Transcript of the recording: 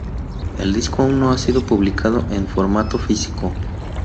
El disco aún no sido publicado en formato físico.